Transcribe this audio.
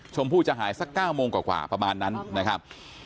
ชมพู่จะหายสัก๙โมงกว่าประมาณนั้นนะครับ